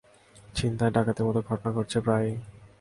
ছিনতাই, ডাকাতির মতো ঘটনা ঘটছে প্রায়ই।